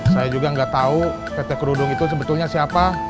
saya juga gak tahu tetek kerudung itu sebetulnya siapa